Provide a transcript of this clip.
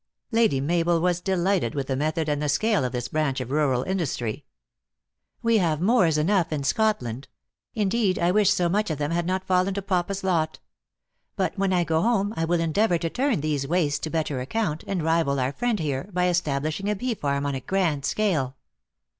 Lady Mabel was delighted with the method and the scale of this branch of rural industry. " We have Moors enough in Scotland. Indeed, I wish so much of them had not fallen to papa s lot. But when I go home, I will endeavor to turn these wastes to bet ter account, and rival our friend here, by establishing a bee farm on a grand scale."